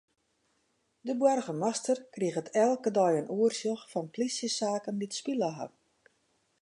De boargemaster kriget elke dei in oersjoch fan plysjesaken dy't spile ha.